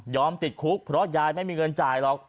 ติดคุกเพราะยายไม่มีเงินจ่ายหรอก